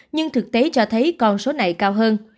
nhưng thực tế cho thấy con số này cao hơn